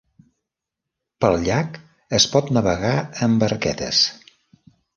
Pel llac es pot navegar amb barquetes.